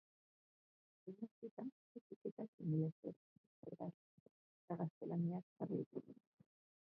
Behin hasita, etiketak ingelesez, euskaraz eta gaztelaniaz jarri ditut.